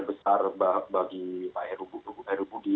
besar bagi pak heru budi